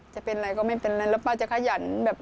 จะเป็นอะไรก็ไม่เป็นไรแล้วป้าจะขยันแบบ